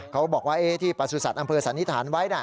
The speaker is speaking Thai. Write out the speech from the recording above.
เขาบอกว่าที่ประสุทธิ์อำเภอสันนิษฐานไว้